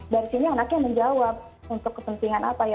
dari sini anaknya menjawab untuk kepentingan apa ya